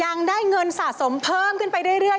ยังได้เงินสะสมเพิ่มขึ้นไปเรื่อย